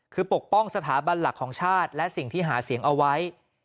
คือปกป้องสถาบันหลักของชาติและสิ่งที่หาเสียงเอาไว้